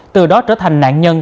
từ đó trở thành nạn nhân